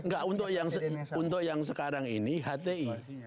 enggak untuk yang sekarang ini hti